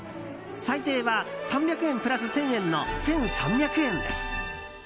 最低は３００円プラス１０００円の１３００円です。